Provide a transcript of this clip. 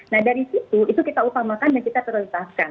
nah dari situ itu kita utamakan dan kita prioritaskan